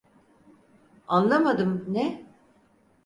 Anlamadım, ne?